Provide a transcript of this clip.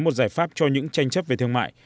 một giải pháp cho những tranh chấp về thương mại